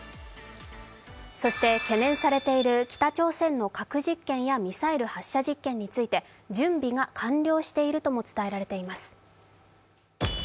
そして懸念されている北朝鮮の核実験やミサイル発射実験について準備が完了しているとも伝えられています。